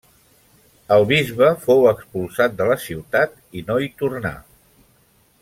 El bisbe fou expulsat de la ciutat i no hi tornà.